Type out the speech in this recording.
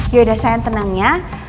yaudah sayang tenang ya